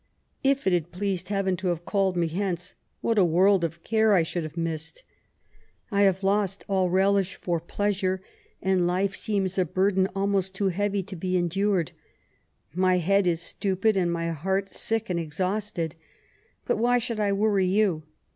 If it had pleased Heaven to have called ma hence, what a world of care I should have missed I I have lost aU relish for pleasure, and life seems a burden almost too heavy to be endured. My head is stupid, and my heart sick and exhausted. But why should I worry you